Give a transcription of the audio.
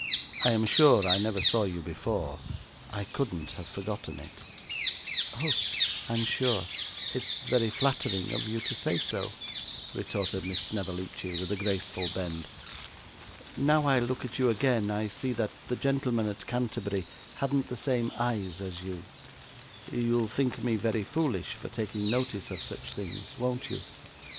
'I am sure I never saw you before; I couldn't have forgotten it.' 'Oh, I'm sure it's very flattering of you to say so,' retorted Miss Snevellicci with a graceful bend. 'Now I look at you again, I see that the gentleman at Canterbury hadn't the same eyes as you you'll think me very foolish for taking notice of such things, won't you?